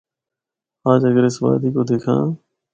اَجّ اگر اس وادی کو دِکھّاں۔